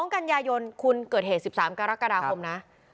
กันยายนคุณเกิดเหตุ๑๓กรกฎาคมนะ